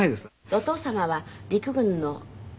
お父様は陸軍の。